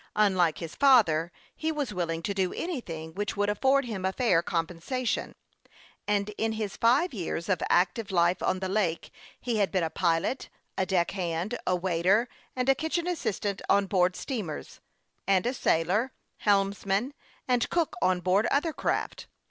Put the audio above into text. Unlike his father, he was willing to do anything which would afford him a fair compensation, and in his five years of active life on the lake, he had been a pilot, a deck hand, a waiter, and a kitchen assistant on board steamers, and a sailor, helmsman, and cook on board other craft.